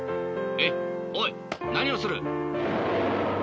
えっおいなにをする？